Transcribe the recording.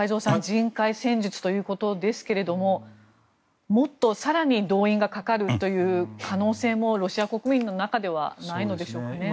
人海戦術ということですがもっと更に動員がかかるという可能性もロシア国民の中にはないのでしょうかね。